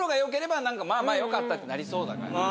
「まあまあよかった」ってなりそうだからね。